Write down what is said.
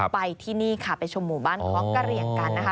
ไปที่นี่ค่ะไปชมหมู่บ้านท้องกะเหลี่ยงกันนะคะ